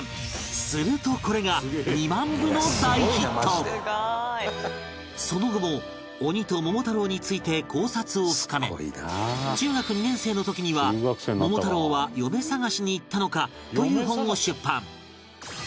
するとこれがその後も鬼と桃太郎について考察を深め中学２年生の時には『桃太郎は嫁探しに行ったのか？』という本を出版